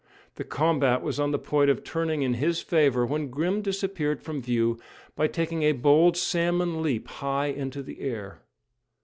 The combat was on the point of turning in his favour, when Grim disappeared from view by taking a bold salmon leap high into the air.